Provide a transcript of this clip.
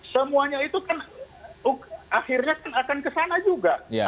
semuanya itu kan akhirnya kan akan ke sana juga